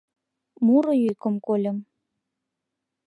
Муро йӱкым кольым;